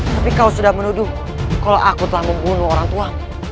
tapi kau sudah menuduh kalau aku telah membunuh orangtuamu